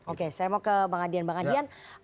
oke saya mau ke bang adian